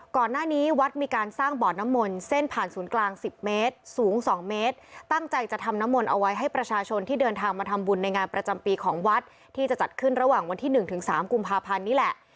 ก่อนหน้านี้วัดมีการสร้างบ่อน้ำมนต์เส้นผ่านศูนย์กลางสิบเมตรสูง๒เมตรตั้งใจจะทำน้ำมนต์เอาไว้ให้ประชาชนที่เดินทางมาทำบุญในงานประจำปีของวัดที่จะจัดขึ้นระหว่างวันที่หนึ่งถึงสามกุมภาพันธ์นี่แหละ